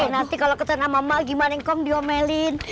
nanti kalau ketahuan sama emak gimana kong diomelin